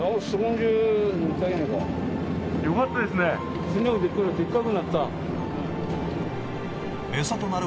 よかったですね。